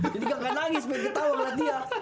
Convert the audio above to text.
jadi gak nangis pengen ketawa ngeliat dia